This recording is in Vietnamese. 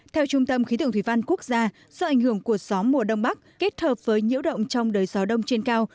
theo trung tâm khí tượng thủy văn quốc gia do ảnh hưởng của gió mùa đông bắc kết hợp với nhiễu động trong đời gió đông trên cao